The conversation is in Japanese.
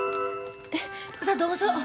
さどうぞ。